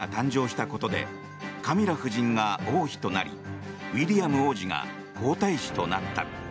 チャールズ新国王が誕生したことでカミラ夫人が王妃となりウィリアム王子が皇太子となった。